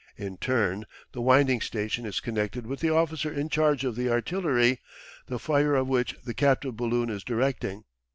In turn the winding station is connected with the officer in charge of the artillery, the fire of which the captive balloon is directing.